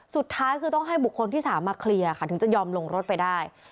สุดท้ายคือต้องให้บุคคลที่๓มาเคลียร์ค่ะถึงจะยอมลงรถไปได้